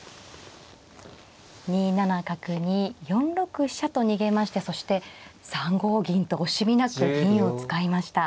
２七角に４六飛車と逃げましてそして３五銀と惜しみなく銀を使いました。